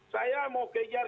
saya mau kejar